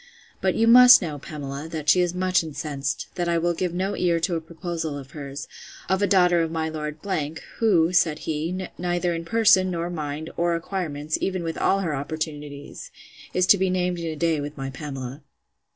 But you must know, Pamela, that she is much incensed, that I will give no ear to a proposal of hers, of a daughter of my Lord ——, who, said he, neither in person, or mind, or acquirements, even with all her opportunities, is to be named in a day with my Pamela.